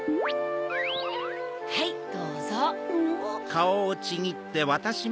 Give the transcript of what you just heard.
はいどうぞ。